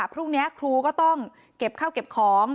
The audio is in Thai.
พรุ่งนี้ครูก็ต้องเก็บเข้าเก็บของ